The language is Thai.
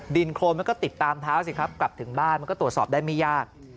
โครนมันก็ติดตามเท้าสิครับกลับถึงบ้านมันก็ตรวจสอบได้ไม่ยาก